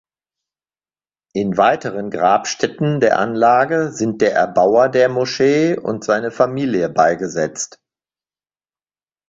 In weiteren Grabstätten der Anlage sind der Erbauer der Moschee und seine Familie beigesetzt.